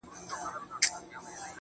تۀ هر يو مؤمن لره داسې يو نعمت لرې